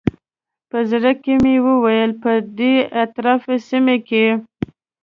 په زړه کې مې وویل په دې اطرافي سیمه کې.